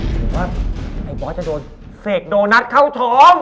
หรือว่าไอ้บอสจะโดนเสกโดนัทเข้าท้อง